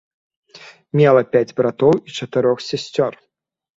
Мела пяць братоў і чатырох сясцёр.